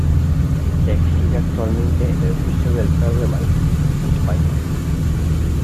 Se exhibe actualmente en el Museo del Prado de Madrid, España.